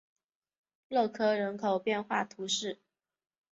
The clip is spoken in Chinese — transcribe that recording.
勒科人口变化图示